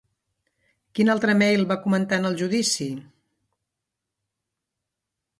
Quin altre mail va comentar en el judici?